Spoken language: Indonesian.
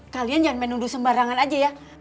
kalian jangan main nundu sembarangan aja ya